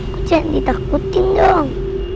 kau jangan ditakutin dong